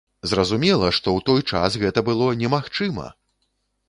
Зразумела, што ў той час гэта было немагчыма!